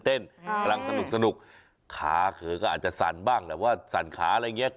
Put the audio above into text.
กำลังสนุกขาเธอก็อาจจะสั่นบ้างแหละว่าสั่นขาอะไรอย่างนี้